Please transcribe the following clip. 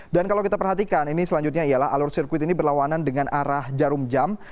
dan kalau kita perhatikan ini selanjutnya ialah alur sirkuit ini berlawanan dengan arah jarum jam